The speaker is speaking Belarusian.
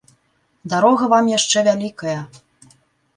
Дарога вам яшчэ вялікая.